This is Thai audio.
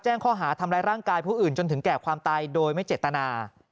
ข้อหาทำร้ายร่างกายผู้อื่นจนถึงแก่ความตายโดยไม่เจตนา